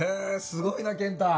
すごいな健太。